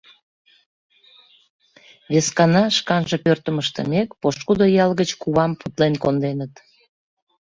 Вескана, шканже пӧртым ыштымек, пошкудо ял гыч кувам путлен конденыт.